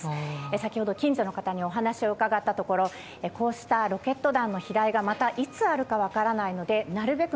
先程、近所の方にお話を伺ったところこうしたロケット弾の飛来がまたいつあるか分からないのでなるべく